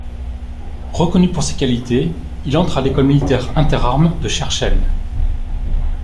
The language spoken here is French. Reconnu pour ses qualités, il entre à l'École militaire interarmes de Cherchell.